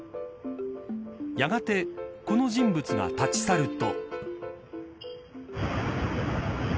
やがて、この人物が立ち去ると。